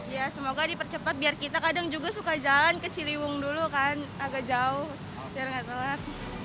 ya semoga dipercepat biar kita kadang juga suka jalan ke ciliwung dulu kan agak jauh biar nggak telat